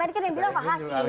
tadi kan yang bilang pak hasim